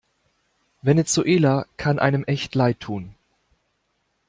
Venezuela kann einem echt leidtun.